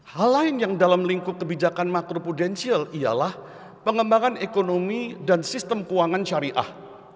hal lain yang dalam lingkup kebijakan makro prudensial ialah pengembangan ekonomi dan sistem keuangan syariah